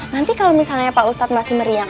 nanti kalau misalnya pak ustadz masih meriang